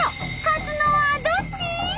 勝つのはどっち！？